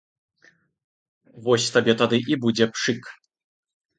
Вось табе тады і будзе пшык.